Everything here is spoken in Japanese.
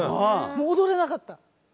踊れなかった。